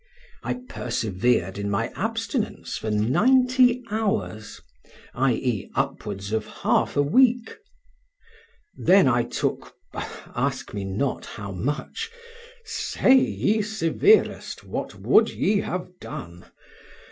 I persevered in my abstinence for ninety hours; i.e., upwards of half a week. Then I took—ask me not how much; say, ye severest, what would ye have done?